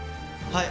はい。